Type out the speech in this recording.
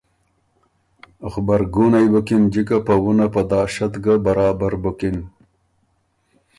غبرګُونئ بُکِن جِکه په وُنّه په داشت ګه برابر بُکِن۔